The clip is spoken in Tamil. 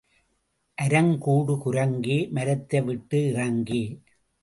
அரங்கூடு குரங்கே, மரத்தை விட்டு இறங்கே.